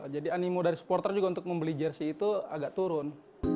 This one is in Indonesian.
jadi animo dari supporter juga untuk membeli jersey itu agak turun